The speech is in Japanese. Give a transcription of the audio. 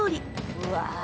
うわ。